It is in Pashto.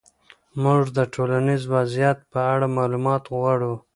موږ د ټولنیز وضعیت په اړه معلومات غواړو.